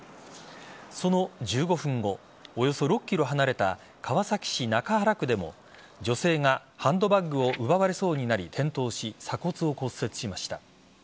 その１５分後およそ６ｋｍ離れた川崎市中原区でも女性がハンドバッグを奪われそうになり転倒し鎖骨を骨折しました。